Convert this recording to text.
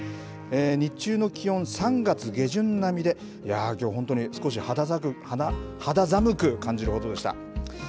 日中の気温、３月下旬並みで、いやー、きょうは本当に肌寒く感じるほどでした。